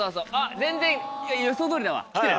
全然予想どおりだわ来てる。